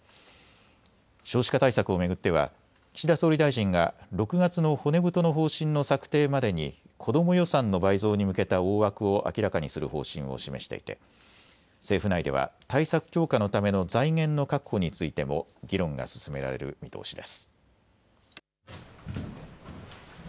少子化対策を巡っては岸田総理大臣が６月の骨太の方針の策定までに子ども予算の倍増に向けた大枠を明らかにする方針を示していて政府内では対策強化のための財源の確保についても議論が進められる見通しです。